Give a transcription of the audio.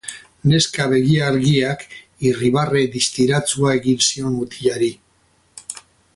Neska begi-argiak irribarre distiratsua egin zion mutilari.